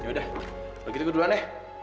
yaudah begitu kedualan ya